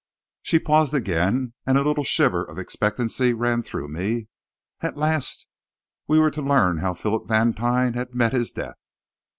She paused again, and a little shiver of expectancy ran through me. At last we were to learn how Philip Vantine had met his death!